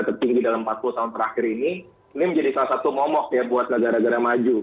tertinggi dalam empat puluh tahun terakhir ini ini menjadi salah satu momok ya buat negara negara maju